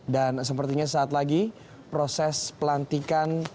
dan sepertinya saat lagi proses pelantikan